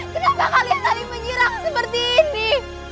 kenapa kalian saling menyerang seperti ini